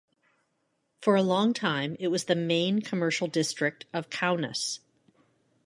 For a long time it was the main commercial district of Kaunas.